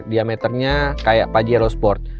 diameternya kayak pajero sport